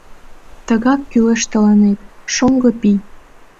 «Тыгак кӱлеш тыланет, шоҥго пий